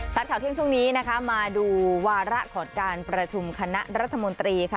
ข่าวเที่ยงช่วงนี้นะคะมาดูวาระของการประชุมคณะรัฐมนตรีค่ะ